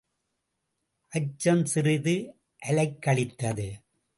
அச்சம் சிறிது அலைக்கழித்தது.